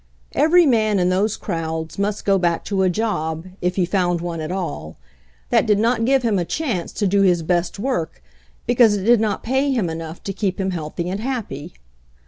"Every man in those crowds must go back to a job — if he found one at all — that did not give him a chance to do his best work because it did not pay him enough to keep him healthy and happy.